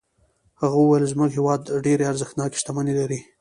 هغه وویل زموږ هېواد ډېرې ارزښتناکې شتمنۍ لري.